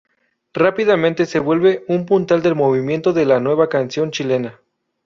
Rápidamente se vuelve un puntal del movimiento de la Nueva Canción Chilena.